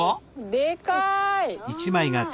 でかい！